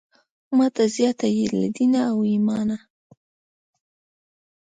ماته زیاته یې له دینه او ایمانه.